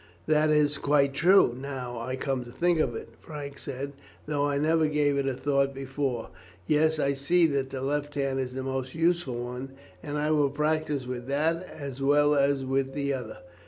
"That is quite true, now I come to think of it," Frank said; "though I never gave it a thought before. Yes, I see that the left hand is the most useful one, and I will practice with that as well as with the other.